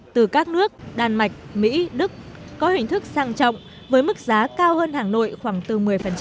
từ các nước đan mạch mỹ đức có hình thức sang trọng với mức giá cao hơn hàng nội khoảng từ một mươi